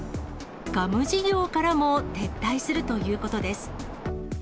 ガム事業からも撤退するということです。